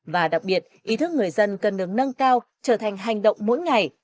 và đặc biệt ý thức người dân cần đứng nâng cao trở thành hành động mỗi ngày